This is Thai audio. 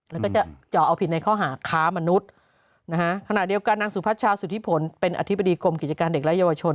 แล้วก็จะเจาะเอาผิดในข้อหาค้ามนุษย์นะฮะขณะเดียวกันนางสุพัชชาสุธิผลเป็นอธิบดีกรมกิจการเด็กและเยาวชน